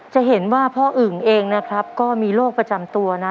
จะเห็นว่าพ่ออึ่งเองนะครับก็มีโรคประจำตัวนะ